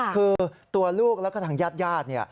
คือตัวลูกแล้วก็ทางญาติญาติเนี่ย